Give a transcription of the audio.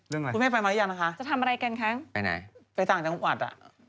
เรื่องอะไรจะทำอะไรกันคะไปต่างจังหวัด